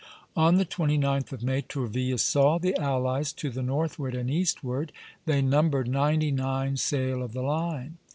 On the 29th of May, Tourville saw the allies to the northward and eastward; they numbered ninety nine sail of the line.